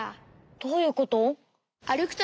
どういうこと？